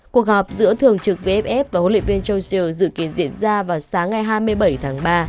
cuộc gặp giữa thường trực vff và huấn luyện viên joe dự kiến diễn ra vào sáng ngày hai mươi bảy tháng ba